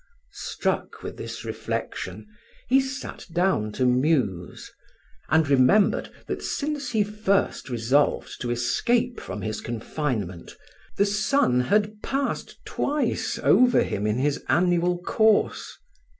Struck with this reflection, he sat down to muse, and remembered that since he first resolved to escape from his confinement, the sun had passed twice over him in his annual course.